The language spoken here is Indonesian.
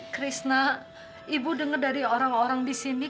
krishna ibu dengar dari orang orang di sini